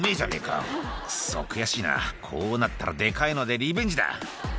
「クソ悔しいなこうなったらデカいのでリベンジだ」